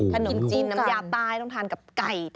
ขนมจีนน้ำยาใต้ต้องทานกับไก่